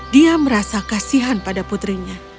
dia merasa kasihan pada putrinya